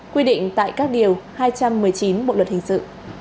quy định tại các điều hai trăm một mươi chín bộ luật hình sự